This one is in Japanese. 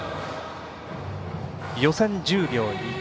予選１０秒２９。